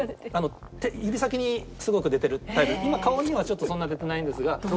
指先にすごく出てるタイプ今顔にはちょっとそんな出てないんですが。